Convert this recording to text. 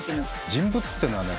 人物っていうのはね